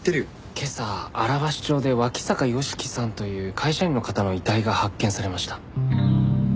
今朝荒鷲町で脇坂芳樹さんという会社員の方の遺体が発見されました。